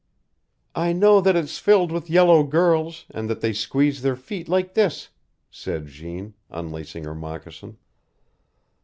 "I know that it's filled with yellow girls, and that they squeeze their feet like this," said Jeanne, unlacing her moccasin.